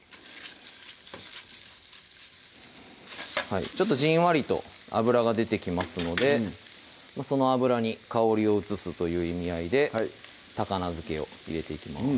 はいちょっとじんわりと脂が出てきますのでその脂に香りを移すという意味合いで高菜漬けを入れていきます